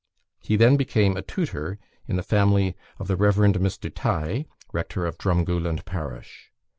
He then became a tutor in the family of the Rev. Mr. Tighe, rector of Drumgooland parish.